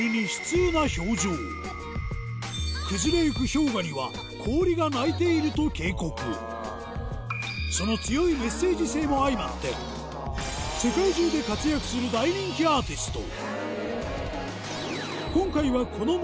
氷河には「氷が泣いている」と警告その強いメッセージ性も相まって世界中で活躍する大人気アーティスト